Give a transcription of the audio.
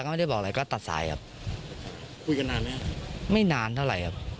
เพราะว่าคุณผู้ชนได้ค่ะ